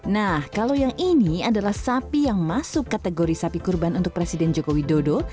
nah kalau yang ini adalah sapi yang masuk kategori sapi kurban untuk presiden joko widodo